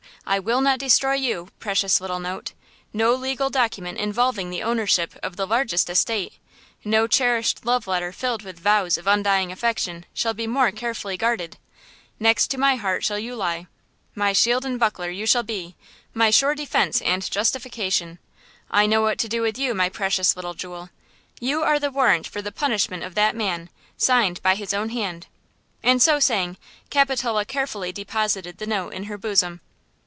I will not destroy you, precious little note! No legal document involving the ownership of the largest estate, no cherished love letter filled with vows of undying affection, shall be more carefully guarded! Next to my heart shall you lie. My shield and buckler shall you be! My sure defense and justification! I know what to do with you, my precious little jewel! You are the warrant for the punishment of that man, signed by his own hand." And so saying Capitola carefully deposited the note in her bosom.